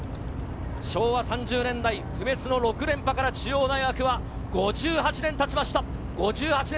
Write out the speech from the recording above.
昭和３０年代、不滅の６連覇から中央大学は５８年経ちました。